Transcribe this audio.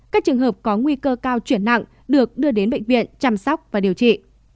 các trường hợp có nguy cơ cao chuyển nặng được đưa đến bệnh viện chăm sóc và điều trị